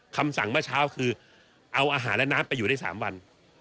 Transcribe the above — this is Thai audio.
คำสั่งเมื่อเช้าคือเอาอาหารและน้ำไปอยู่ได้๓วัน